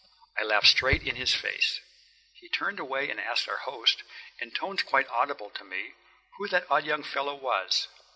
I laughed straight in his face. He turned away and asked our host, in tones quite audible to me, who that odd young fellow was.